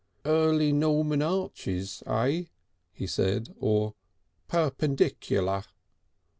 "Early Norman arches, eh?" he said, "or Perpendicular."